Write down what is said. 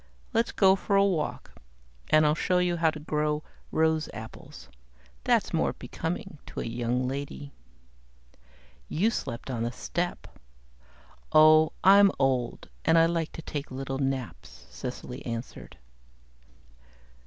"Let's go for a walk and I'll show you how to grow rose apples. That's more becoming to a young lady." "You slept on the step." "Ah! I'm old and I like to take little naps," Cecily answered.